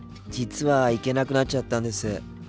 実は行けなくなっちゃったんです。